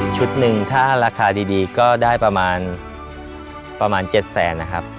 หนึ่งถ้าราคาดีก็ได้ประมาณ๗แสนนะครับ